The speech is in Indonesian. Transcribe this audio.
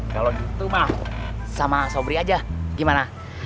kalau gitu mah sama sobri aja gimana